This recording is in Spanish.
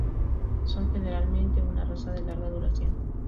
Son generalmente una raza de larga duración.